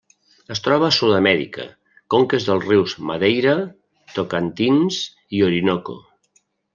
Es troba a Sud-amèrica: conques dels rius Madeira, Tocantins i Orinoco.